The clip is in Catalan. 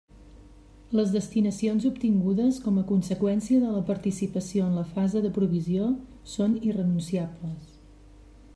Les destinacions obtingudes com a conseqüència de la participació en la fase de provisió són irrenunciables.